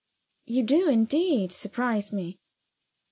"You do, indeed, surprise me."